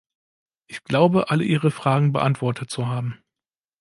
Ich glaube alle Ihre Fragen beantwortet zu haben.